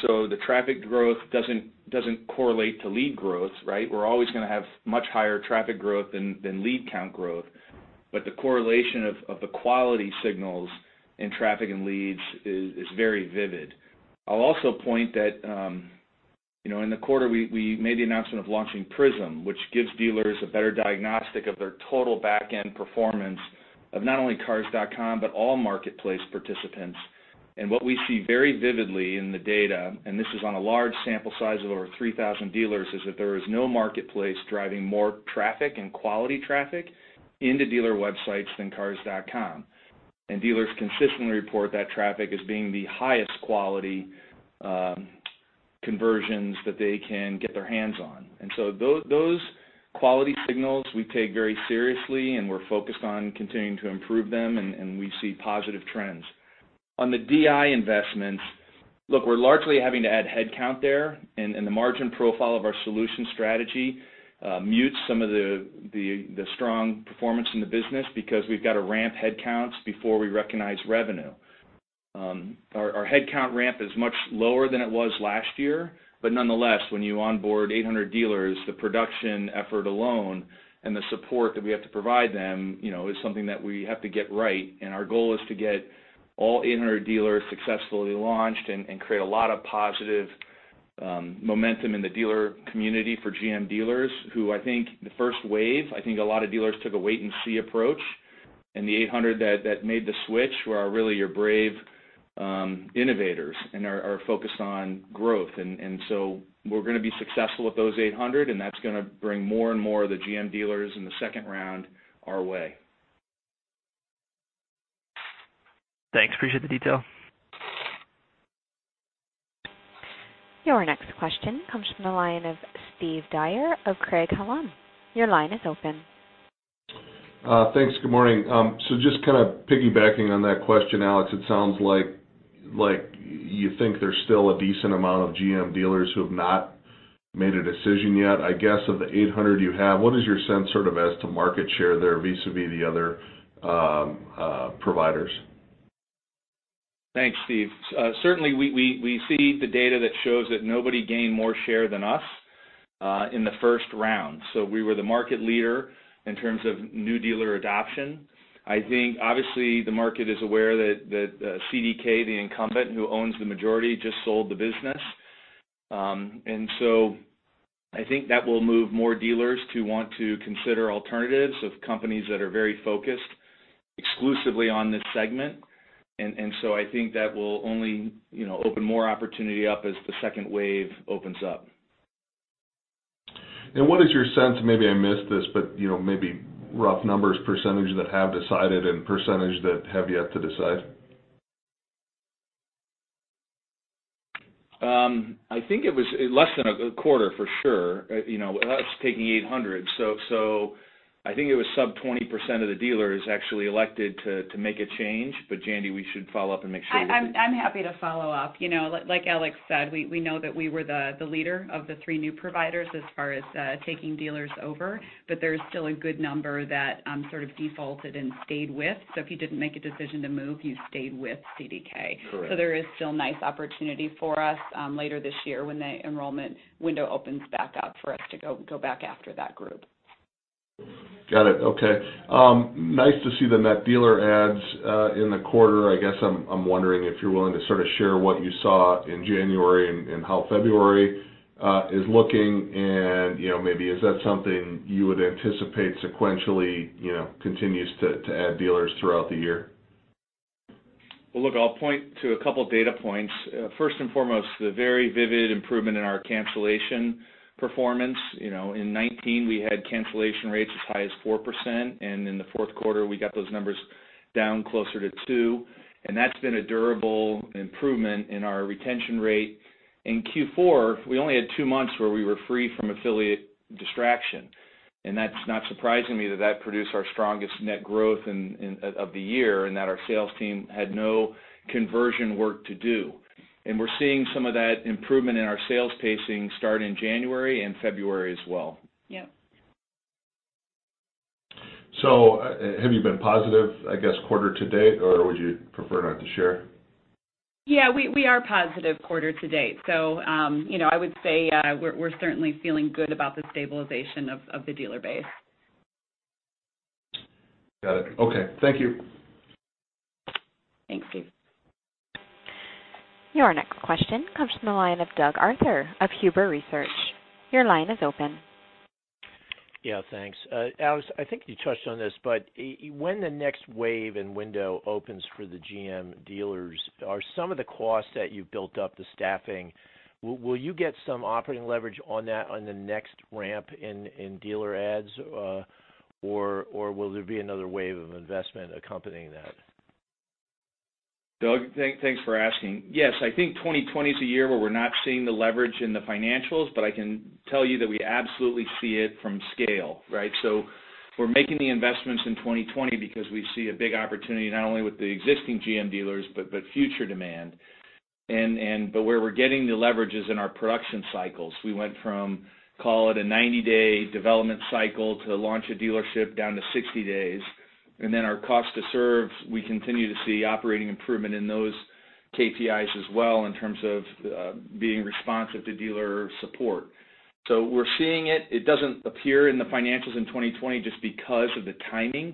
So the traffic growth doesn't correlate to lead growth, right? We're always going to have much higher traffic growth than lead count growth. The correlation of the quality signals in traffic and leads is very vivid. I'll also point that in the quarter, we made the announcement of launching PRIZM, which gives dealers a better diagnostic of their total back-end performance of not only Cars.com, but all marketplace participants. What we see very vividly in the data, and this is on a large sample size of over 3,000 dealers, is that there is no marketplace driving more traffic and quality traffic into dealer websites than Cars.com. Dealers consistently report that traffic as being the highest quality conversions that they can get their hands on. Those quality signals we take very seriously, and we're focused on continuing to improve them, and we see positive trends. On the DI investments, look, we're largely having to add headcount there, and the margin profile of our solution strategy mutes some of the strong performance in the business because we've got to ramp headcounts before we recognize revenue. Our headcount ramp is much lower than it was last year. Nonetheless, when you onboard 800 dealers, the production effort alone and the support that we have to provide them is something that we have to get right. Our goal is to get all 800 dealers successfully launched and create a lot of positive momentum in the dealer community for GM dealers, who I think the first wave, I think a lot of dealers took a wait-and-see approach. The 800 that made the switch were really your brave innovators and are focused on growth. We're going to be successful with those 800, and that's going to bring more and more of the GM dealers in the second round our way. Thanks. Appreciate the detail. Your next question comes from the line of Steve Dyer of Craig-Hallum. Your line is open. Thanks. Good morning. Just kind of piggybacking on that question, Alex, it sounds like you think there is still a decent amount of GM dealers who have not made a decision yet. I guess of the 800 you have, what is your sense sort of as to market share there vis-a-vis the other providers? Thanks, Steve. Certainly, we see the data that shows that nobody gained more share than us in the first round. We were the market leader in terms of new dealer adoption. I think obviously the market is aware that CDK, the incumbent who owns the majority, just sold the business. I think that will move more dealers to want to consider alternatives of companies that are very focused exclusively on this segment. I think that will only open more opportunity up as the second wave opens up. What is your sense, maybe I missed this, but maybe rough numbers, % that have decided and % that have yet to decide? I think it was less than a quarter for sure. That's taking 800. I think it was sub 20% of the dealers actually elected to make a change. Jandy, we should follow up and make sure that. I'm happy to follow up. Like Alex said, we know that we were the leader of the three new providers as far as taking dealers over, there's still a good number that sort of defaulted and stayed with. If you didn't make a decision to move, you stayed with CDK. Correct. There is still nice opportunity for us later this year when the enrollment window opens back up for us to go back after that group. Got it. Okay. Nice to see the net dealer ads in the quarter. I guess I'm wondering if you're willing to sort of share what you saw in January and how February is looking, and maybe is that something you would anticipate sequentially continues to add dealers throughout the year? Well, look, I'll point to a couple data points. First and foremost, the very vivid improvement in our cancellation performance. In 2019, we had cancellation rates as high as 4%, and in the fourth quarter, we got those numbers down closer to 2%, and that's been a durable improvement in our retention rate. In Q4, we only had two months where we were free from affiliate distraction, and that's not surprising to me that that produced our strongest net growth of the year and that our sales team had no conversion work to do. We're seeing some of that improvement in our sales pacing start in January and February as well. Yes. Have you been positive, I guess, quarter to date, or would you prefer not to share? Yeah, we are positive quarter to date. I would say we're certainly feeling good about the stabilization of the dealer base. Got it. Okay. Thank you. Thanks, Steve. Your next question comes from the line of Doug Arthur of Huber Research. Your line is open. Yeah, thanks. Alex, I think you touched on this. When the next wave and window opens for the GM dealers, are some of the costs that you've built up, the staffing, will you get some operating leverage on that on the next ramp in dealer ads, or will there be another wave of investment accompanying that? Doug, thanks for asking. Yes, I think 2020 is a year where we're not seeing the leverage in the financials, but I can tell you that we absolutely see it from scale, right? We're making the investments in 2020 because we see a big opportunity not only with the existing GM dealers, but future demand. Where we're getting the leverage is in our production cycles. We went from, call it a 90-day development cycle to launch a dealership down to 60 days. Then our cost to serve, we continue to see operating improvement in those KPIs as well in terms of being responsive to dealer support. We're seeing it. It doesn't appear in the financials in 2020 just because of the timing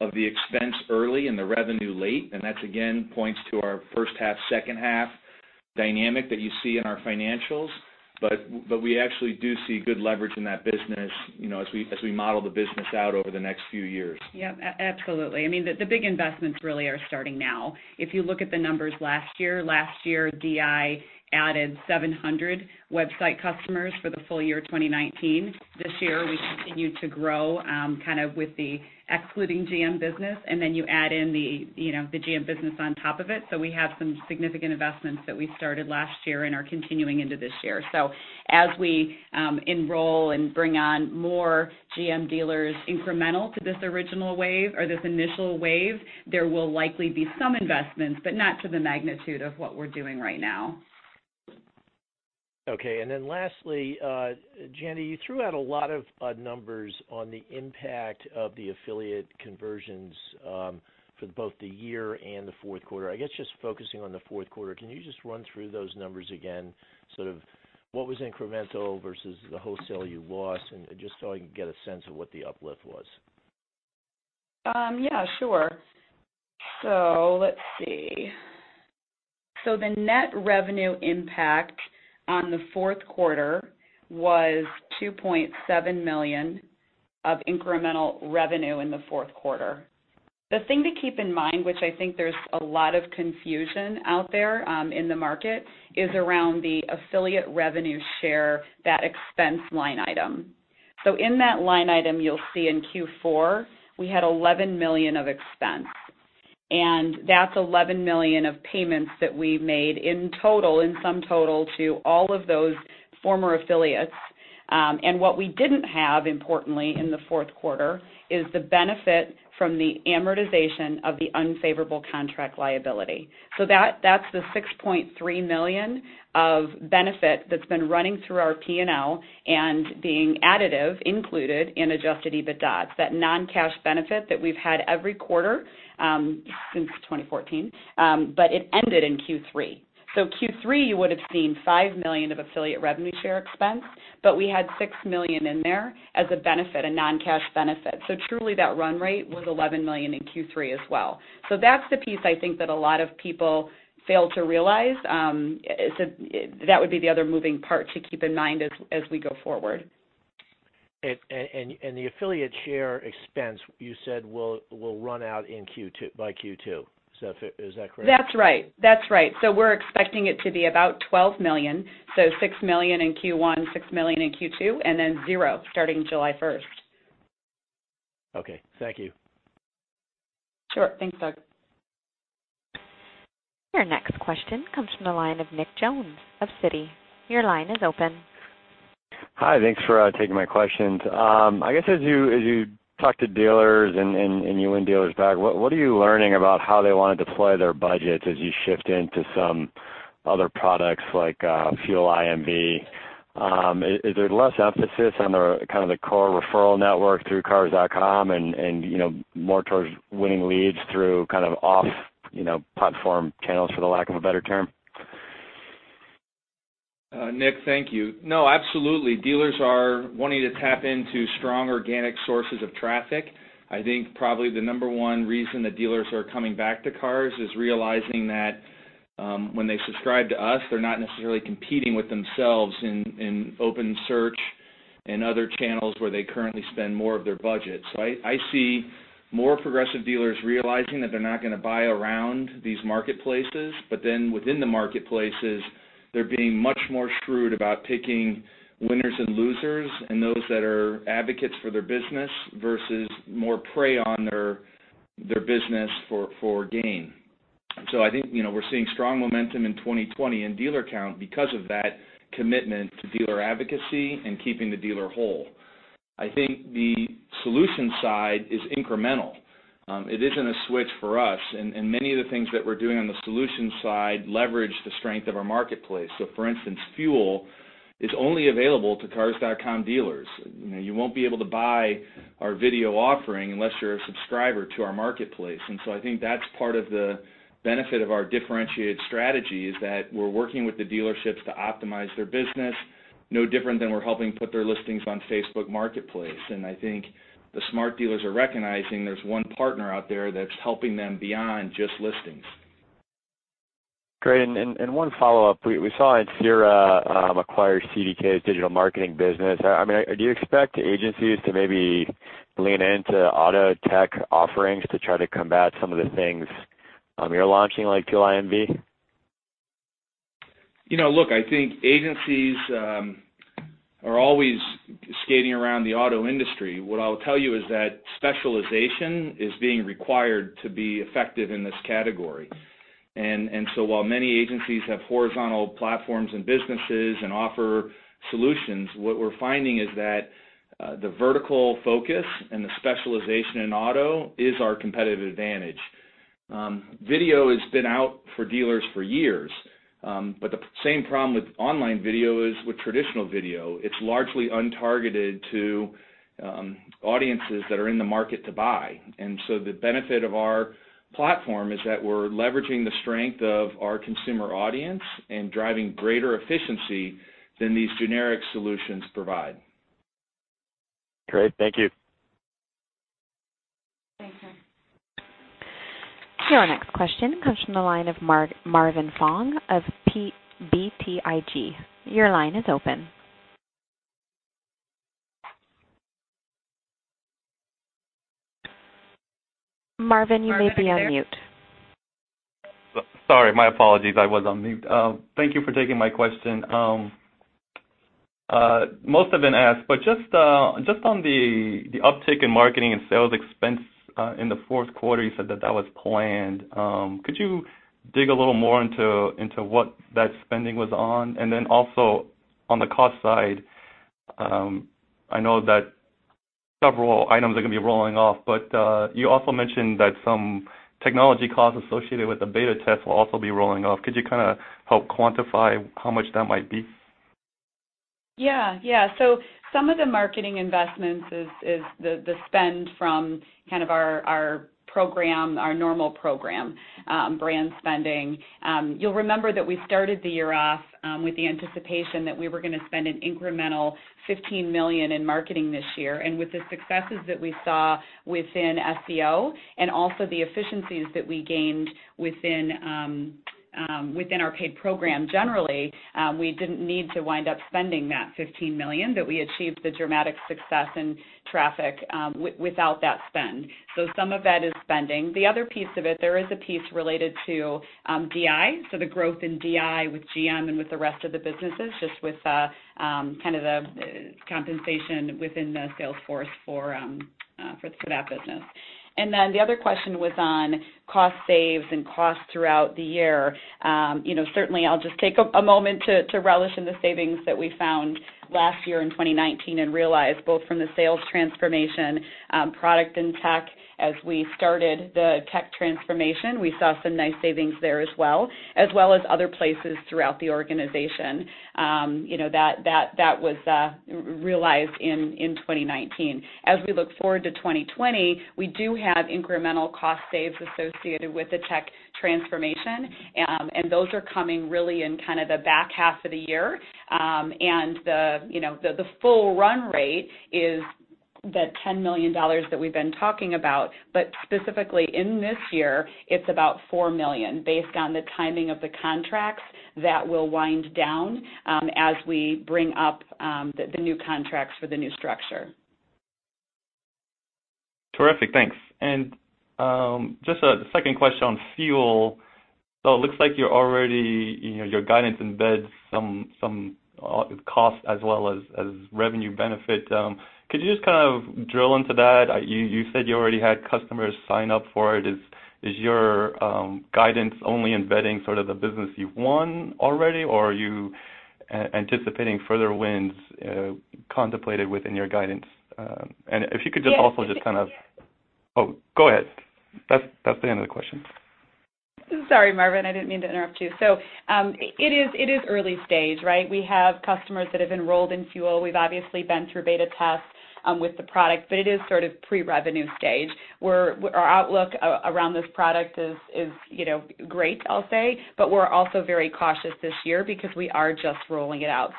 of the expense early and the revenue late, and that again, points to our first half/second half dynamic that you see in our financials. We actually do see good leverage in that business as we model the business out over the next few years. Yep, absolutely. The big investments really are starting now. If you look at the numbers last year, last year DI added 700 website customers for the full year 2019. This year, we continued to grow, kind of with the excluding GM business, and then you add in the GM business on top of it. We have some significant investments that we started last year and are continuing into this year. As we enroll and bring on more GM dealers incremental to this original wave or this initial wave, there will likely be some investments, but not to the magnitude of what we're doing right now. Okay. Lastly, Jandy, you threw out a lot of numbers on the impact of the affiliate conversions for both the year and the fourth quarter. I guess just focusing on the fourth quarter, can you just run through those numbers again, sort of what was incremental versus the wholesale you lost, and just so I can get a sense of what the uplift was? Yeah, sure. Let's see. The net revenue impact on the fourth quarter was $2.7 million of incremental revenue in the fourth quarter. The thing to keep in mind, which I think there's a lot of confusion out there in the market, is around the affiliate revenue share, that expense line item. In that line item, you'll see in Q4, we had $11 million of expense. That's $11 million of payments that we made in total, in sum total, to all of those former affiliates. What we didn't have, importantly, in the fourth quarter, is the benefit from the amortization of the unfavorable contract liability. That's the $6.3 million of benefit that's been running through our P&L and being additive included in Adjusted EBITDA, that non-cash benefit that we've had every quarter since 2014. It ended in Q3. Q3, you would've seen $5 million of affiliate revenue share expense, but we had $6 million in there as a benefit, a non-cash benefit. Truly that run rate was $11 million in Q3 as well. That's the piece I think that a lot of people fail to realize. That would be the other moving part to keep in mind as we go forward. The affiliate share expense, you said will run out by Q2. Is that correct? That's right. We're expecting it to be about $12 million, so $6 million in Q1, $6 million in Q2, and then zero starting July 1st. Okay. Thank you. Sure. Thanks, Doug. Your next question comes from the line of Nick Jones of Citi. Your line is open. Hi. Thanks for taking my questions. I guess as you talk to dealers and you win dealers back, what are you learning about how they want to deploy their budgets as you shift into some other products like FUEL IMV? Is there less emphasis on the core referral network through Cars.com and more towards winning leads through off platform channels, for the lack of a better term? Nick, thank you. Absolutely. Dealers are wanting to tap into strong organic sources of traffic. I think probably the number one reason that dealers are coming back to Cars is realizing that when they subscribe to us, they're not necessarily competing with themselves in open search in other channels where they currently spend more of their budget. I see more progressive dealers realizing that they're not going to buy around these marketplaces, within the marketplaces, they're being much more shrewd about picking winners and losers and those that are advocates for their business versus more prey on their business for gain. I think we're seeing strong momentum in 2020 in dealer count because of that commitment to dealer advocacy and keeping the dealer whole. I think the solution side is incremental. It isn't a switch for us, many of the things that we're doing on the solution side leverage the strength of our marketplace. For instance, FUEL is only available to Cars.com dealers. You won't be able to buy our video offering unless you're a subscriber to our marketplace. I think that's part of the benefit of our differentiated strategy, is that we're working with the dealerships to optimize their business, no different than we're helping put their listings on Facebook Marketplace. I think the smart dealers are recognizing there's one partner out there that's helping them beyond just listings. Great. One follow-up. We saw Ansira acquire CDK's digital marketing business. Do you expect agencies to maybe lean into auto tech offerings to try to combat some of the things you're launching, like FUEL IMV? Look, I think agencies are always skating around the auto industry. What I'll tell you is that specialization is being required to be effective in this category. While many agencies have horizontal platforms and businesses and offer solutions, what we're finding is that the vertical focus and the specialization in auto is our competitive advantage. Video has been out for dealers for years. The same problem with online video is with traditional video. It's largely untargeted to audiences that are in the market to buy. The benefit of our platform is that we're leveraging the strength of our consumer audience and driving greater efficiency than these generic solutions provide. Great. Thank you. Thank you. Your next question comes from the line of Marvin Fong of BTIG. Your line is open. Marvin, you might be on mute. Sorry. My apologies. I was on mute. Thank you for taking my question. Most have been asked, but just on the uptick in marketing and sales expense in the fourth quarter, you said that that was planned. Could you dig a little more into what that spending was on? Also on the cost side, I know that several items are going to be rolling off, but you also mentioned that some technology costs associated with the beta test will also be rolling off. Could you help quantify how much that might be? Some of the marketing investments is the spend from our normal program, brand spending. You'll remember that we started the year off with the anticipation that we were going to spend an incremental $15 million in marketing this year. With the successes that we saw within SEO and also the efficiencies that we gained within our paid program generally, we didn't need to wind up spending that $15 million, we achieved the dramatic success in traffic without that spend. Some of that is spending. The other piece of it, there is a piece related to DI. The growth in DI with GM and with the rest of the businesses, just with the compensation within the sales force for that business. The other question was on cost saves and costs throughout the year. Certainly, I'll just take a moment to relish in the savings that we found last year in 2019 and realized both from the sales transformation, product and tech. As we started the tech transformation, we saw some nice savings there as well, as well as other places throughout the organization. That was realized in 2019. As we look forward to 2020, we do have incremental cost saves associated with the tech transformation, those are coming really in the back half of the year. The full run rate is the $10 million that we've been talking about. Specifically in this year, it's about $4 million based on the timing of the contracts that will wind down as we bring up the new contracts for the new structure. Terrific. Thanks. Just a second question on FUEL. It looks like your guidance embeds some cost as well as revenue benefit. Could you just kind of drill into that? You said you already had customers sign up for it. Is your guidance only embedding sort of the business you've won already, or are you anticipating further wins contemplated within your guidance? Yes. Oh, go ahead. That's the end of the question. Sorry, Marvin, I didn't mean to interrupt you. It is early stage, right? We have customers that have enrolled in FUEL. We've obviously been through beta tests with the product, but it is sort of pre-revenue stage. Our outlook around this product is great, I'll say, but we're also very cautious this year because we are just rolling it out.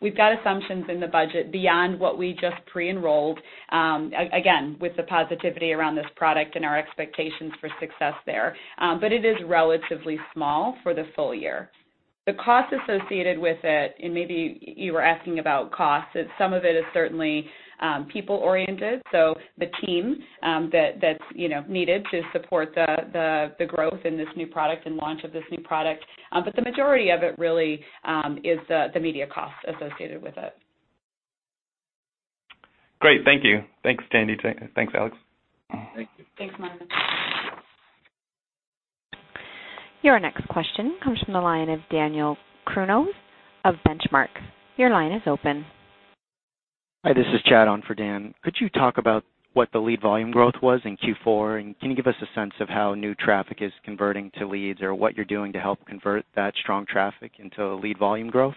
We've got assumptions in the budget beyond what we just pre-enrolled, again, with the positivity around this product and our expectations for success there. It is relatively small for the full year. The cost associated with it, and maybe you were asking about costs, some of it is certainly people oriented, so the team that's needed to support the growth in this new product and launch of this new product. The majority of it really is the media cost associated with it. Great. Thank you. Thanks, Jandy. Thanks, Alex. Thank you. Thanks, Marvin. Your next question comes from the line of Daniel Kroenung of Benchmark. Your line is open. Hi, this is Chad on for Dan. Could you talk about what the lead volume growth was in Q4? Can you give us a sense of how new traffic is converting to leads or what you're doing to help convert that strong traffic into lead volume growth?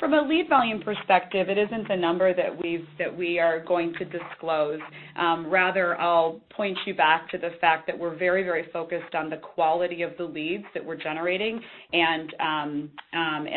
Thanks. From a lead volume perspective, it isn't a number that we are going to disclose. Rather, I'll point you back to the fact that we're very focused on the quality of the leads that we're generating and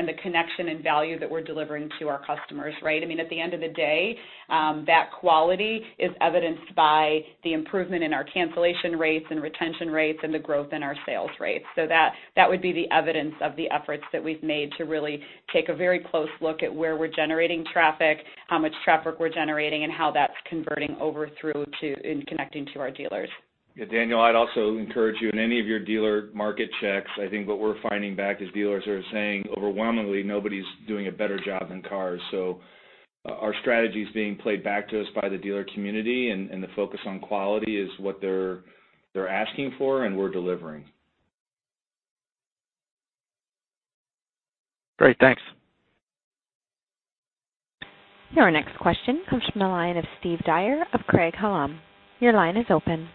the connection and value that we're delivering to our customers, right? I mean, at the end of the day, that quality is evidenced by the improvement in our cancellation rates and retention rates and the growth in our sales rates. That would be the evidence of the efforts that we've made to really take a very close look at where we're generating traffic, how much traffic we're generating, and how that's converting over through to and connecting to our dealers. Yeah, Daniel, I'd also encourage you in any of your dealer market checks, I think what we're finding back is dealers are saying overwhelmingly, nobody's doing a better job than Cars. Our strategy is being played back to us by the dealer community, and the focus on quality is what they're asking for, and we're delivering. Great. Thanks. Your next question comes from the line of Steve Dyer of Craig-Hallum. Your line is open.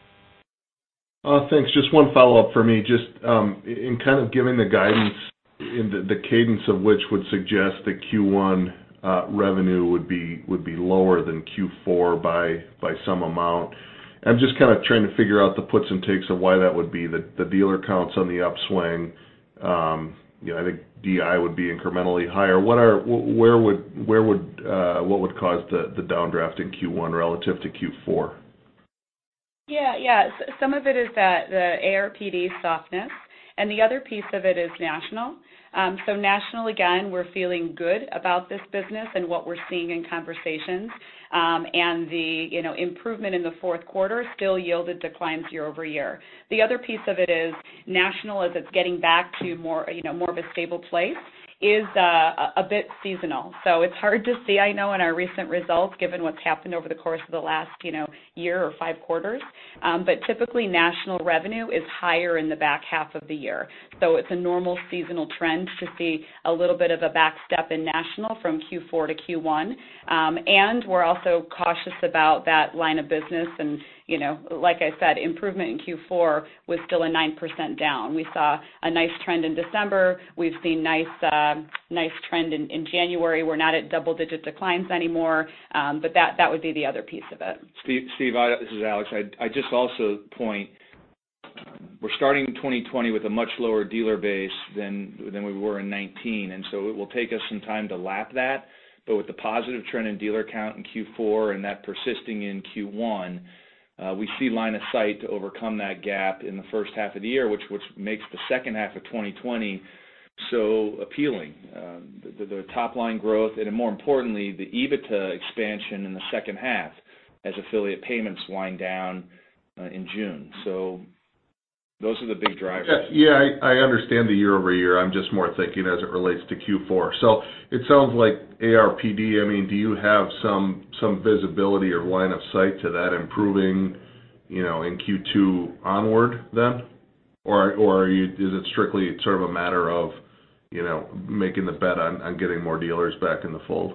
Thanks. Just one follow-up for me. Just in kind of giving the guidance and the cadence of which would suggest that Q1 revenue would be lower than Q4 by some amount. I'm just kind of trying to figure out the puts and takes of why that would be. The dealer count's on the upswing. I think DI would be incrementally higher. What would cause the downdraft in Q1 relative to Q4? Yeah. Some of it is the ARPD softness, and the other piece of it is national. National, again, we're feeling good about this business and what we're seeing in conversations. The improvement in the fourth quarter still yielded declines year-over-year. The other piece of it is national, as it's getting back to more of a stable place, is a bit seasonal. It's hard to see, I know, in our recent results, given what's happened over the course of the last year or five quarters. Typically, national revenue is higher in the back half of the year. It's a normal seasonal trend to see a little bit of a backstep in national from Q4 to Q1. We're also cautious about that line of business. Like I said, improvement in Q4 was still a 9% down. We saw a nice trend in December. We've seen nice trend in January. We're not at double-digit declines anymore. That would be the other piece of it. Steve, this is Alex. I'd just also point, we're starting 2020 with a much lower dealer base than we were in 2019, and so it will take us some time to lap that. With the positive trend in dealer count in Q4 and that persisting in Q1, we see line of sight to overcome that gap in the first half of the year, which makes the second half of 2020 so appealing. The top-line growth and more importantly, the EBITDA expansion in the second half as affiliate payments wind down in June. Those are the big drivers. Yeah, I understand the year-over-year. I'm just more thinking as it relates to Q4. It sounds like ARPD, do you have some visibility or line of sight to that improving in Q2 onward then? Is it strictly sort of a matter of making the bet on getting more dealers back in the fold?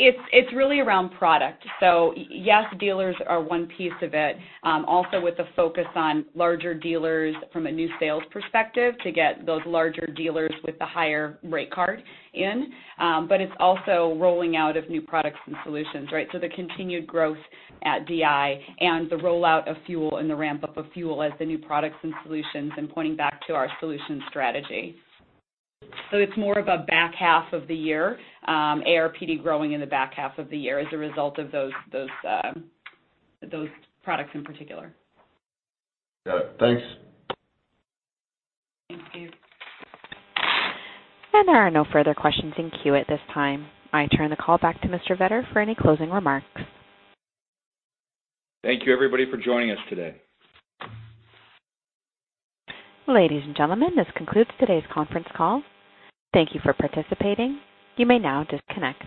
It's really around product. Yes, dealers are one piece of it. Also with the focus on larger dealers from a new sales perspective to get those larger dealers with the higher rate card in. It's also rolling out of new products and solutions, right? The continued growth at DI and the rollout of FUEL and the ramp-up of FUEL as the new products and solutions and pointing back to our solutions strategy. It's more of a back half of the year, ARPD growing in the back half of the year as a result of those products in particular. Got it. Thanks. Thank you. There are no further questions in queue at this time. I turn the call back to Mr. Vetter for any closing remarks. Thank you, everybody, for joining us today. Ladies and gentlemen, this concludes today's conference call. Thank you for participating. You may now disconnect.